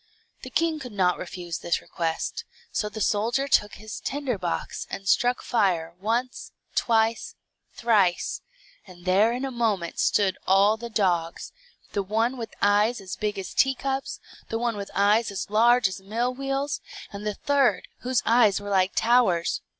The king could not refuse this request, so the soldier took his tinder box, and struck fire, once, twice, thrice, and there in a moment stood all the dogs; the one with eyes as big as teacups, the one with eyes as large as mill wheels, and the third, whose eyes were like towers.